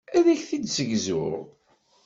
Ad ak-t-id-ssegzuɣ.